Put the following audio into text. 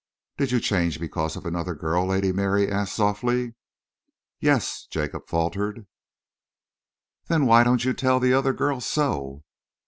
"Did you change because of another girl?" Lady Mary asked softly. "Yes," Jacob faltered. "Then why don't you tell the other girl so?"